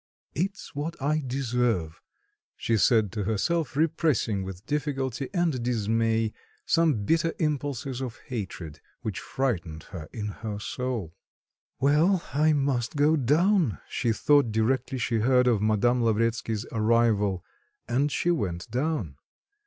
"It's what I deserve!" she said to herself, repressing with difficulty and dismay some bitter impulses of hatred which frightened her in her soul. "Well, I must go down!" she thought directly she heard of Madame Lavretsky's arrival, and she went down....